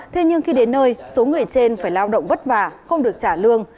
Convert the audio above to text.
thế nhưng khi đến nơi số người trên phải lao động vất vả không được trả lương